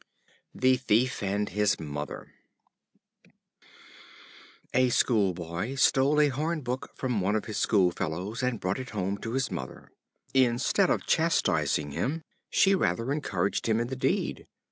The Thief and His Mother. A Schoolboy stole a horn book from one of his schoolfellows, and brought it home to his mother. Instead of chastising him, she rather encouraged him in the deed.